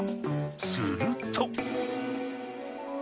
すると。